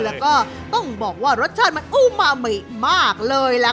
แล้วก็ต้องบอกว่ารสชาติมันอูมามิมากเลยล่ะค่ะ